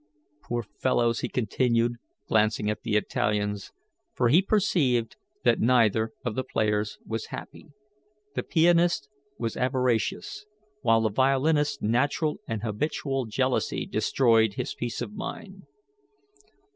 "Poor fellows," he continued, glancing at the Italians, for he perceived that neither of the players was happy; the pianist was avaricious, while the violinist's natural and habitual jealousy destroyed his peace of mind.